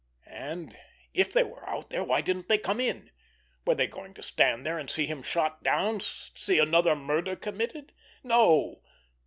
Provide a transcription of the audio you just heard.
And if they were out there, why didn't they come in? Were they going to stand there and see him shot down—see another murder committed? No!